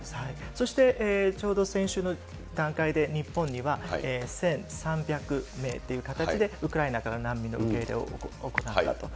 そして先週の段階で、日本には１３００名という形でウクライナから難民の行ったと。